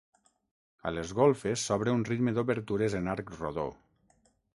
A les golfes s'obre un ritme d'obertures en arc rodó.